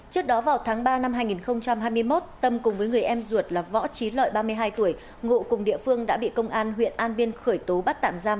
trước đó vào tháng ba năm hai nghìn hai mươi một tâm cùng với người em ruột là võ trí lợi ba mươi hai tuổi ngụ cùng địa phương đã bị công an huyện an biên khởi tố bắt tạm giam